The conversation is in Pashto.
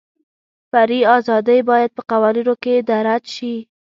فري ازادۍ باید په قوانینو کې درج شي.